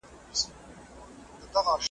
چي د لوږي ږغ یې راغی له لړمونه .